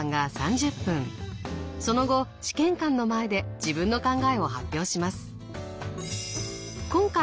その後試験官の前で自分の考えを発表します。